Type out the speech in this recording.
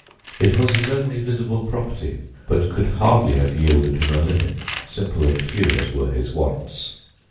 It was his only visible property, but could hardly have yielded him a living, simple and few as were his wants.